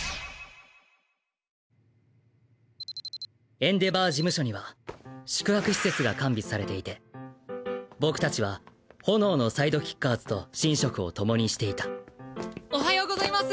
エンデヴァー事務所には宿泊施設が完備されていて僕たちは炎のサイドキッカーズと寝食を共にしていたおはようございます。